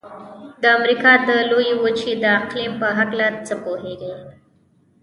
د امریکا د لویې وچې د اقلیم په هلکه څه پوهیږئ؟